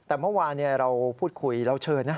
แต่เมื่อวานเราพูดคุยเราเชิญนะ